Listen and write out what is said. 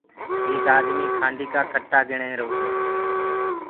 ايڪ آدميٚ کآنڊي ڪآ ڪٽآ گِڻ رهيرو تو۔